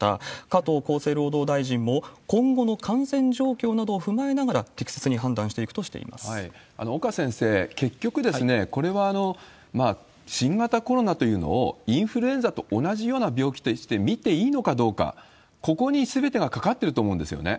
加藤厚生労働大臣も、今後の感染状況などを踏まえながら、適切に判断していくとしてい岡先生、結局、これは新型コロナというのをインフルエンザと同じような病気として見ていいのかどうか、ここにすべてがかかってると思うんですよね。